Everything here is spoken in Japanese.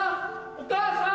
お母さん！